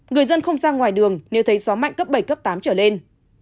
người dân không ra ngoài đường nếu thấy gió mạnh cấp bảy cấp tám trở lên